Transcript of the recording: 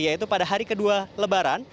yaitu pada hari kedua lebaran